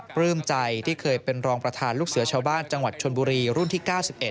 ปลื้มใจที่เคยเป็นรองประธานลูกเสือชาวบ้านจังหวัดชนบุรีรุ่นที่๙๑